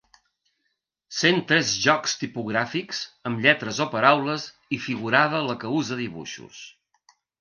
Cent tres jocs tipogràfics, amb lletres o paraules, i figurada la que usa dibuixos.